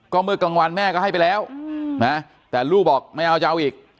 ก็เมื่อกลางวันแม่ก็ให้ไปแล้วนะแต่ลูกบอกไม่เอาจะเอาอีก